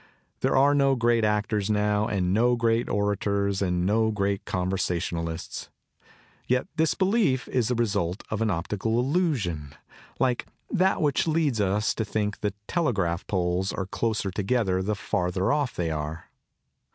There are no great actors now and no great orators and no great conversationalists. Yet this belief is the result of an optical illusion like that which leads us to think the telegraph poles are closer together the farther off they are.